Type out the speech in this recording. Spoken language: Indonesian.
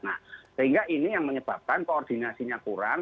nah sehingga ini yang menyebabkan koordinasinya kurang